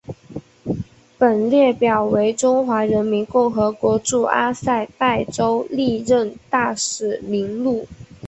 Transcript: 本列表为中华人民共和国驻阿塞拜疆历任大使名录。